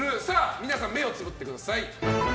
皆さん目をつぶってください。